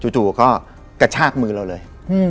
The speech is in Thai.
จู่ก็กระชากมือเราเลย